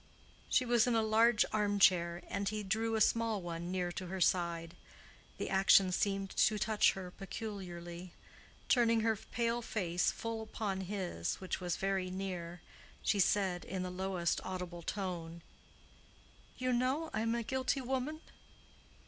She was in a large arm chair, and he drew a small one near to her side. The action seemed to touch her peculiarly: turning her pale face full upon his, which was very near, she said, in the lowest audible tone, "You know I am a guilty woman?"